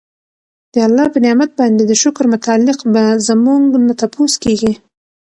د الله په نعمت باندي د شکر متعلق به زمونږ نه تپوس کيږي